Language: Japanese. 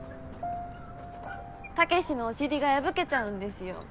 タケシのお尻がやぶけちゃうんですよ。